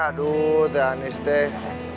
aduh teh hanis teh